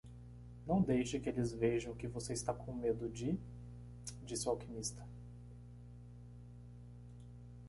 "Não deixe que eles vejam que você está com medo de?", disse o alquimista.